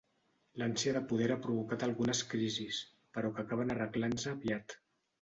L'ànsia de poder ha provocat algunes crisis, però que acaben arreglant-se aviat.